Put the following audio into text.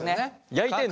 焼いてんの？